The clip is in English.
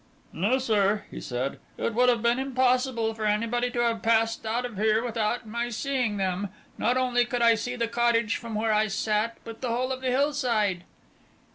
"No, sir," he said, "it would have been impossible for anybody to have passed out of here without my seeing them. Not only could I see the cottage from where I sat, but the whole of the hillside."